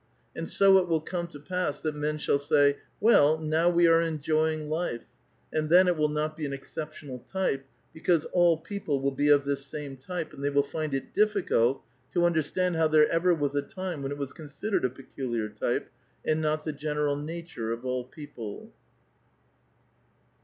And so it will come to pass that men shall say, "Well, now we are enjoying life"; and then it will not be an exceptional type, because all people will be of this same type, and they will find it difficult to understand how there ever was a time when it was considered a peculiar type, and not tlie general nature of all people.